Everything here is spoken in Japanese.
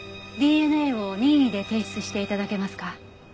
ＤＮＡを任意で提出して頂けますか？